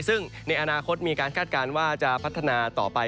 ซึ่งในอนาคตมีการคาดการณ์ว่าจะพัฒนาต่อไป